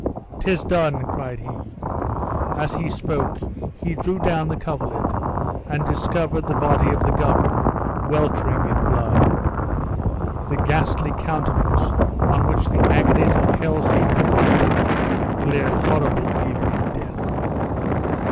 "Tis done," cried he. As he spoke he drew down the coverlid and discovered the body of the governor weltering in blood. The ghastly countenance, on which the agonies of hell seemed imprinted, glared horrible even in death.